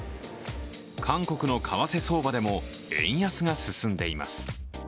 韓国の為替相場でも円安が進んでいます。